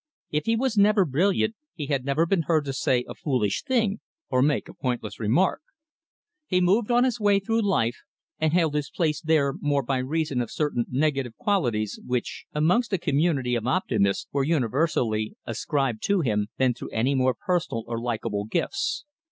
If he was never brilliant, he had never been heard to say a foolish thing or make a pointless remark. He moved on his way through life, and held his place there more by reason of certain negative qualities which, amongst a community of optimists, were universally ascribed to him, than through any more personal or likable gifts.